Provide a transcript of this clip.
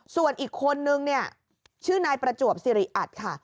ส่วนอีกคนนึงเนี่ยชื่อนายประจวบสิริอัดค่ะ